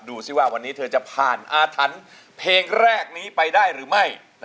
ดูสิว่าวันนี้เธอจะผ่านอาถรรพ์เพลงแรกนี้ไปได้หรือไม่